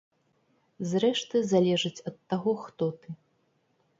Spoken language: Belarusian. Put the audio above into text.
Зрэшты, залежыць ад таго, хто ты.